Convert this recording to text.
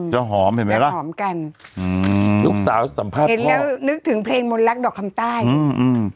หอมเห็นไหมล่ะหอมกันอืมลูกสาวสัมภาษณ์เห็นแล้วนึกถึงเพลงมนต์รักดอกคำใต้อืม